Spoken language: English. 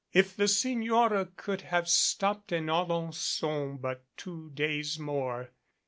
If the Signora could have stopped in Alenon but two days more.